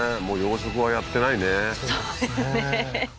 もう養殖はやってないね